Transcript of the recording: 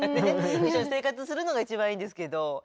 一緒に生活するのが一番いいですけど。